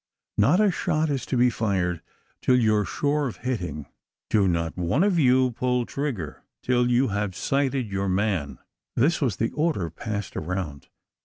"Not a shot is to be fired, till you are sure of hitting! Do not one of you pull trigger, till you have sighted your man!" This was the order passed around.